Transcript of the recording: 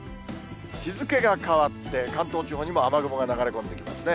日付が変わって関東地方にも雨雲が流れ込んできますね。